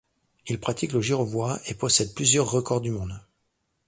Il pratique le girevoy et possède plusieurs records du monde.